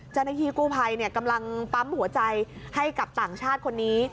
เจ้าหน้าที่กู้ภัยกำลังปั๊มหัวใจให้กับต่างชาติคนนี้